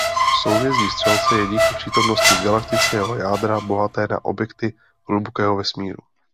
Souhvězdí Střelce je díky přítomnosti galaktického jádra bohaté na objekty hlubokého vesmíru.